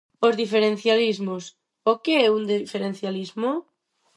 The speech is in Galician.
Os diferencialismos. O que é un diferencialismo?